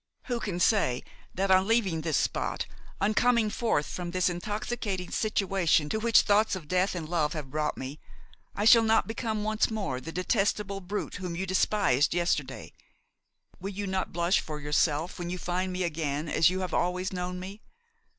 Who can say that, on leaving this spot, on coming forth from this intoxicating situation to which thoughts of death and love have brought me, I shall not become once more the detestable brute whom you despised yesterday? Will you not blush for yourself when you find me again as you have always known me?